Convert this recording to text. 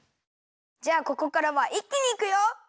じゃあここからはいっきにいくよ！